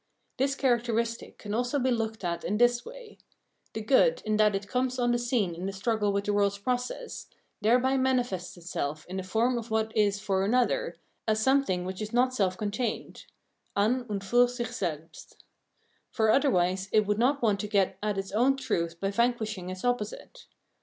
This characteristic can also be looked at in this way : the good, in that it comes on the scene in the struggle with the world's process, thereby manifests itself in the form of what is for another, as something which is not self contained {an und fur sich selbst), for otherwise it would not want to get at its own truth by vanquishing its opposite.